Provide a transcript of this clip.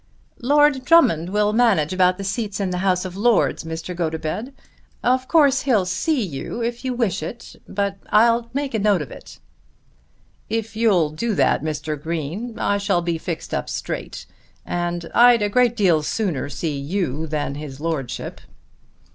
"Lord Drummond will manage about the seats in the House of Lords, Mr. Gotobed. Of course he'll see you if you wish it; but I'll take a note of it." "If you'll do that, Mr. Green, I shall be fixed up straight. And I'd a great deal sooner see you than his lordship."